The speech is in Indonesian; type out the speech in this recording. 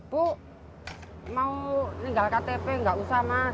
bu mau ninggal ktp nggak usah mas